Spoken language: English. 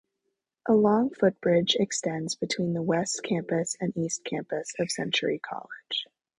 A long footbridge extends between the West Campus and East Campus of Century College.